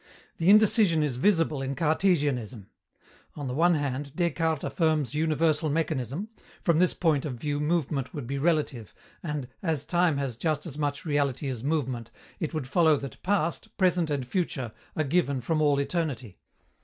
The indecision is visible in Cartesianism. On the one hand, Descartes affirms universal mechanism: from this point of view movement would be relative, and, as time has just as much reality as movement, it would follow that past, present and future are given from all eternity.